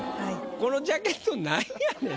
このジャケットなんやねん。